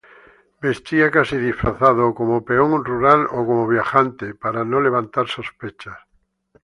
Vestía casi disfrazado, o como peón rural o como viajante, para no levantar sospechas.